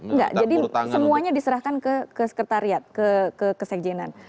enggak jadi semuanya diserahkan ke sekretariat ke sekjenan